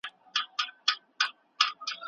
اسلام دا کارونه نه منل.